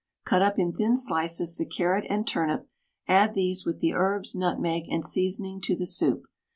Cut up in thin slices the carrot and turnip, add these, with the herbs, nutmeg, and seasoning to the soup.